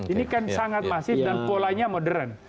ini kan sangat masif dan polanya modern